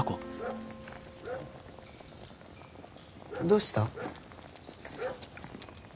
どうした？